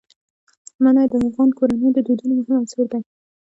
منی د افغان کورنیو د دودونو مهم عنصر دی.